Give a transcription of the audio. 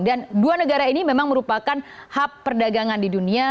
dan dua negara ini memang merupakan hub perdagangan di dunia